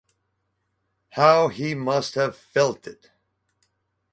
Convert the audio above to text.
How he must have felt it!